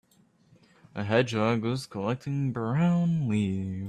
A hedgehog was collecting brown leaves.